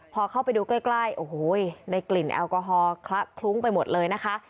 พอเข้าไปดูใกล้โอ้โหได้กลิ่นแอลกอฮอล์คละคลุ้งไปหมดเลยนะคะ